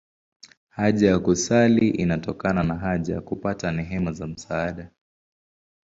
Haja ya kusali inatokana na haja ya kupata neema za msaada.